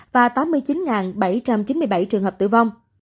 và tám mươi chín bảy trăm chín mươi bảy trường hợp tử vong